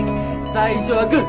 最初はグー！